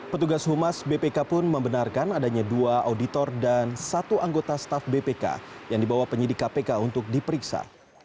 petugas humas bpk pun membenarkan adanya dua auditor dan satu anggota staff bpk yang dibawa penyidik kpk untuk diperiksa